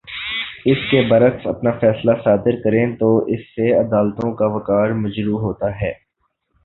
اس کے برعکس اپنا فیصلہ صادر کریں تو اس سے عدالتوں کا وقار مجروح ہوتا ہے